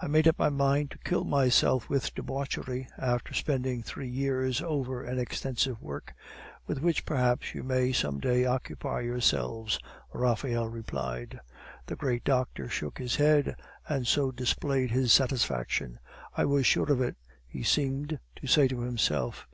"I made up my mind to kill myself with debauchery, after spending three years over an extensive work, with which perhaps you may some day occupy yourselves," Raphael replied. The great doctor shook his head, and so displayed his satisfaction. "I was sure of it," he seemed to say to himself.